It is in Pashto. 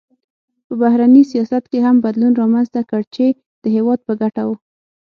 په بهرني سیاست کې هم بدلون رامنځته کړ چې د هېواد په ګټه و.